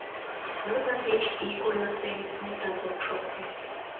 Нунын деч ик ойыртем мутат ок шокто.